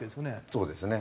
そうですね。